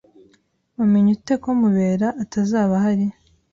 Wamenye ute ko Mubera atazaba ahari?